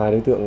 hai đối tượng